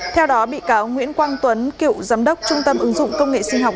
theo đó bị cáo nguyễn quang tuấn cựu giám đốc trung tâm ứng dụng công nghệ sinh học